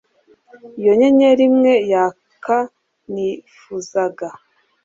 iyo nyenyeri imwe yaka nifuzaga